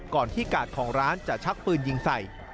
ที่กาดของร้านจะชักปืนยิงใส่